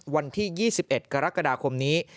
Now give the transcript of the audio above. วันที่๒๑กรกฎาคมนี้